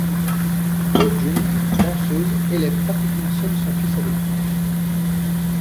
Ho-jung, danseuse, élève pratiquement seule son fils adoptif.